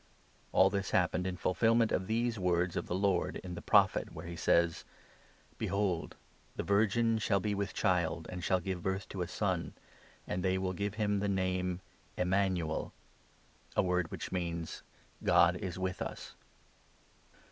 All this happened in fulfilment of these words of the Lord in 22 the Prophet, where he says —' Behold ! the virgin shall be with child and shall give birth to a son, 23 And they will give him the name Immanuel '— a word which means ' God is with us.'